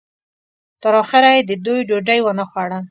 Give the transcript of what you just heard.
تر اخره یې د دوی ډوډۍ ونه خوړه.